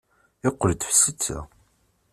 Iqqel-d ɣef setta.